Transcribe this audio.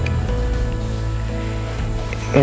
seandainya arshila masih ada